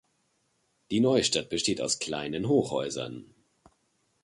Die Neustadt besteht aus kleinen Hochhäusern.